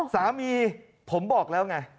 สามีผมบอกแล้วไง